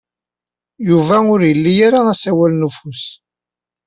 Yuba ur ili ara asawal n ufus.